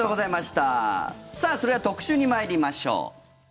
さあ、それでは特集に参りましょう。